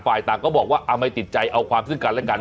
ปล่อยต่างก็บอกว่าไม่ติดใจเอาความสึกกันแล้วกัน